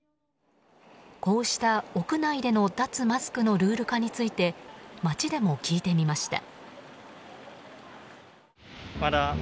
こうした屋内での脱マスクのルール化について街でも聞いてみました。